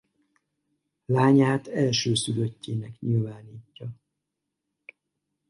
Lányát elsőszülöttjének nyilvánítja.